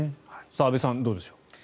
安部さん、どうでしょう。